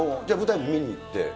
じゃあ舞台も見に行って。